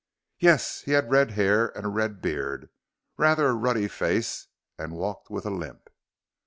"Yes. He had red hair and a red beard rather a ruddy face, and walked with a limp."